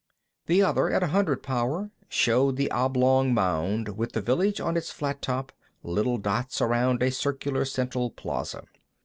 The other, at a hundred power, showed the oblong mound, with the village on its flat top, little dots around a circular central plaza.